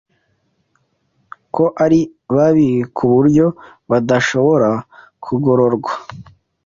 ko ari babi ku buryo badashobora kugororwa